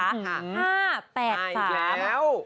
๕๘๓อันอีกแล้ว